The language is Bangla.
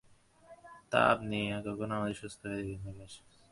তা, আপনি আমাদের কখনো সুস্থ দেখেন নি– একটু বিশেষ ব্যস্ত হয়েই পড়ি।